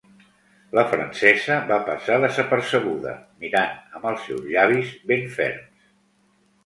La francesa va passar desapercebuda, mirant amb els seus llavis ben ferms.